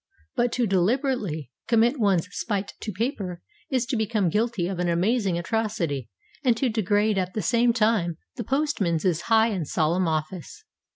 But to deliberately commit one's spite to paper is to become guilty of an amazing atrocity and to degrade at the same time the postman's high and solemn office.